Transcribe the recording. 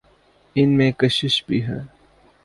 ان میں کشش بھی ہے۔